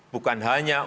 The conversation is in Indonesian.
bukan hanya untuk pasar